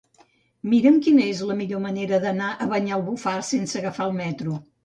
Mira'm quina és la millor manera d'anar a Banyalbufar sense agafar el metro.